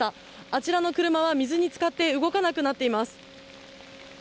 あちらの車は水につかって動けなくなっています。